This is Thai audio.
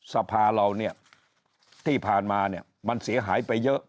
สภาเราเนี่ยที่ผ่านมาเนี่ยมันเสียหายไปเยอะ